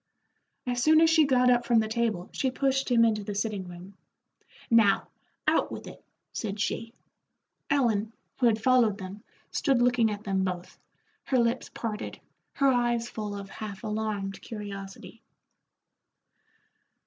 As soon as she got up from the table she pushed him into the sitting room. "Now, out with it," said she. Ellen, who had followed them, stood looking at them both, her lips parted, her eyes full of half alarmed curiosity.